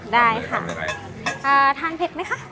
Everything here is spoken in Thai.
ได้ค่ะทานเผ็ดไหมคะ